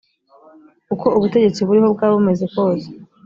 uko ubutegetsi buriho bwaba bumeze kose